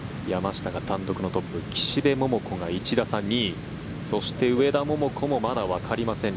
山下が単独のトップ岸部桃子が１打差２位そして、上田桃子もまだわかりません。